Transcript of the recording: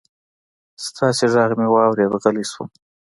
ستا غږ مې واورېد، غلی شوم